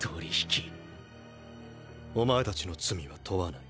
お前たちの罪は問わない。